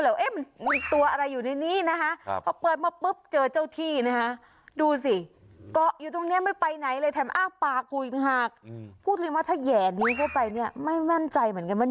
แล้วคุณพี่คนนี้โคกะว่าเปิดตู้มาคงอยากจะรู้เลยว่า